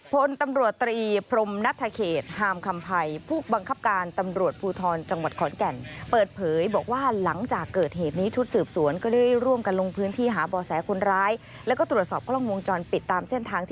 พลตำรวจตระอีพพรมนัฐเขตห้ามคำภัยผู้บังคับการตำรวจภูทรจังหวัดขอนแก่น